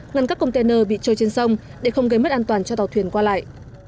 ngăn các container bị trôi trên sông để không gây mất an toàn cho tàu thuyền qua lại